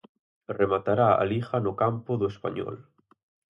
Rematará a Liga no campo do Español.